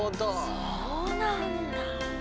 そうなんだ。